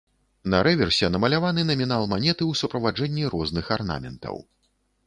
На рэверсе намаляваны намінал манеты ў суправаджэнні розных арнаментаў.